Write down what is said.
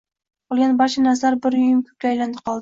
Qolgan barcha narsa bir uyum kulga aylandi-qoldi